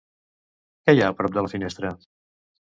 Què hi ha prop de la finestra?